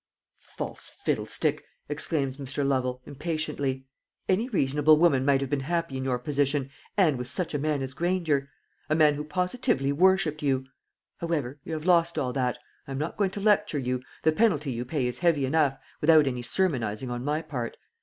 "False fiddlestick!" exclaimed Mr. Lovel, impatiently; "any reasonable woman might have been happy in your position, and with such a man as Granger; a man who positively worshipped you. However, you have lost all that. I am not going to lecture you the penalty you pay is heavy enough, without any sermonising on my part.